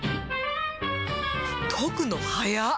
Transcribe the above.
解くのはやっ！